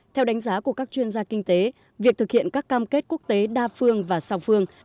theo đánh giá của các chuyên gia kinh tế việc thực hiện các cam kết quốc tế đa phương và sạc phương